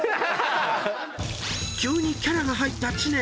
［急にキャラが入った知念］